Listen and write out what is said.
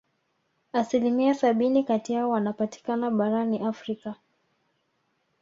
Asilimia sabini kati yao wanapatikana barani Afrika